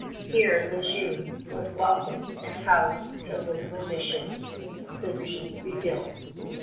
Here Le Jeune was welcomed and housed till the little mission could be rebuilt.